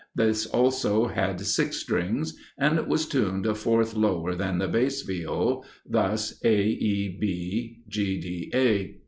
This also had six strings, and was tuned a fourth lower than the Bass Viol, thus A, E, B, G, D, A.